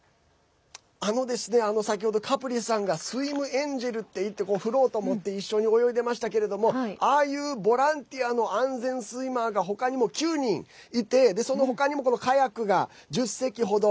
先ほどカプリさんがスイムエンジェルっていってフロート持って一緒に泳いでましたけどああいうボランティアの安全スイマーが他にも９人いて他にもカヤックが１０隻ほど。